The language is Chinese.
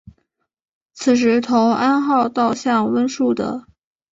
此时同安号倒向温树德。